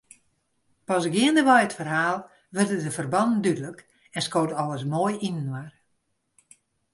Pas geandewei it ferhaal wurde de ferbannen dúdlik en skoot alles moai yninoar.